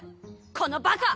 このバカ！